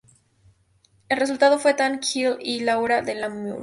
El resultado fue "Tant Qu'il Y Aura De L’amour".